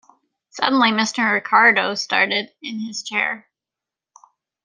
Suddenly Mr. Ricardo started in his chair.